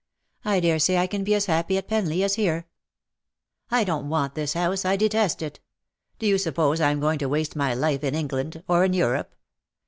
I daresay I can be as happy at Penlee as here.^^ " I don''t want this house. I detest it. Do you suppose I am going to waste my life in England — or in Europe